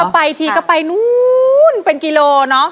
ไปทีก็ไปนู้นเป็นกิโลเนอะ